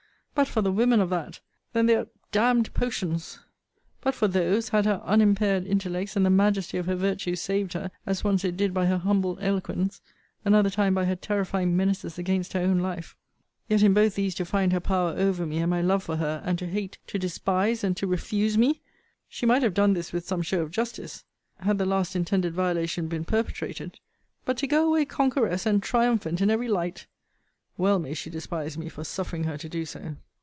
But for the women of that! Then their d d potions! But for those, had her unimpaired intellects, and the majesty of her virtue, saved her, as once it did by her humble eloquence,* another time by her terrifying menaces against her own life. * In the fire scene, Vol. V. Letter XVI. Vol. VI. Letter XXXVI. in the pen knife scene. Yet in both these to find her power over me, and my love for her, and to hate, to despise, and to refuse me! She might have done this with some show of justice, had the last intended violation been perpetrated: but to go away conqueress and triumphant in every light! Well may she despise me for suffering her to do so.